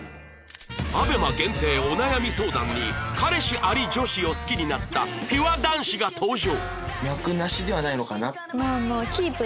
ＡＢＥＭＡ 限定お悩み相談に彼氏あり女子を好きになったピュア男子が登場